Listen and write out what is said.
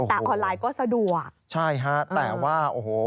แต่ออนไลน์ก็สะดวกใช่ฮะแต่ว่าโอ้โห